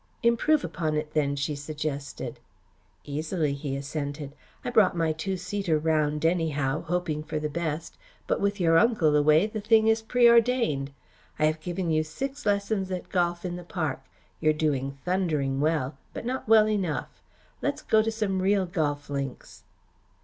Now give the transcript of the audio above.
"Improve upon it then," she suggested. "Easily," he assented. "I brought my two seater round, anyhow, hoping for the best, but with your uncle away the thing is preordained. I have given you six lessons at golf in the park. You're doing thundering well, but not well enough. Let's go to some real golf links."